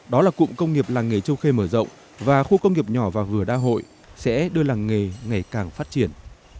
đó là cụm công nghiệp làng nghề châu khê mở rộng và khu công nghiệp nhỏ và vừa đa hội sẽ đưa làng nghề ngày càng phát triển